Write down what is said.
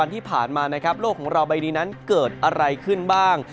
ที่ผ่านมานะครับโลกของเราใบนี้นั้นเกิดอะไรขึ้นบ้าง